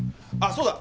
そうだ。